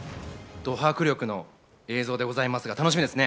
ど迫力の映像でございますが、楽しみですね。